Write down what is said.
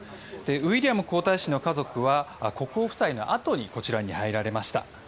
ウィリアム皇太子の家族は国王夫妻のあとにこちらに入られました。